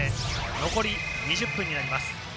残り２０分になります。